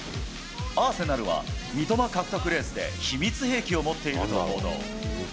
アーセナルは三笘獲得レースで秘密兵器を持っていると報道。